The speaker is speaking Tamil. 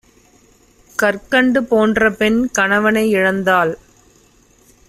கற்கண்டு போன்றபெண் கணவனை இழந் தால்